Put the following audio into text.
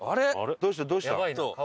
どうした？